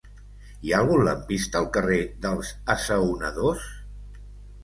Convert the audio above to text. Hi ha algun lampista al carrer dels Assaonadors?